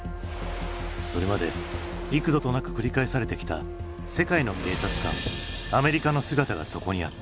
それまで幾度となく繰り返されてきた世界の警察官アメリカの姿がそこにあった。